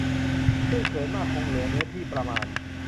ตื้นเขินมากคงเหลือเนื้อที่ประมาณ